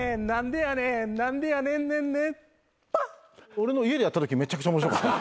俺の家でやったときめちゃくちゃ面白かった。